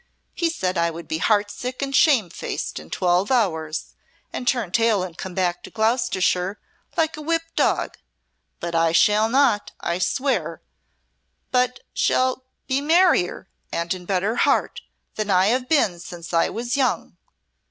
He said I would be heart sick and shame faced in twelve hours, and turn tail and come back to Gloucestershire like a whipt dog but I shall not, I swear, but shall be merrier and in better heart than I have been since I was young.